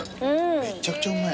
めっちゃくちゃうめぇ。